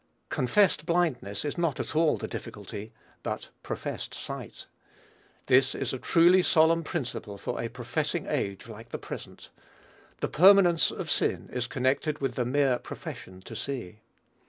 Confessed blindness is not at all the difficulty, but professed sight. This is a truly solemn principle for a professing age like the present. The permanence of sin is connected with the mere profession to see.